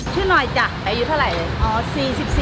ชื่อหน่อยจ้ะอายุเท่าไหร่เลย